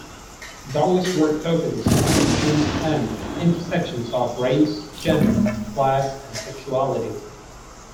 Douglas' work focuses on the tensions and intersections of race, gender, class, and sexuality.